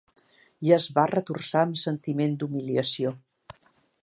I es va retorçar amb sentiment d'humiliació.